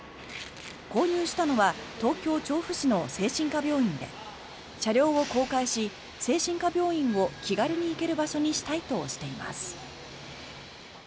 購入したのは東京・調布市の精神科病院で車両を公開し、精神科病院を気軽に行ける場所にしたいとしています。